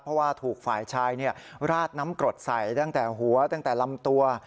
เพราะว่าถูกฝ่ายชายราดน้ำกรดใส่ตั้งแต่หัวตั้งแต่ลำตัว